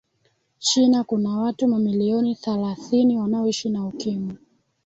china Kuna watu milioni thalathini wanaoishi na ukimwi